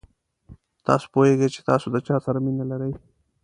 تاسو پوهېږئ چې تاسو د چا سره مینه لرئ.